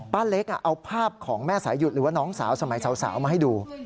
เล็กเอาภาพของแม่สายหยุดหรือว่าน้องสาวสมัยสาวมาให้ดู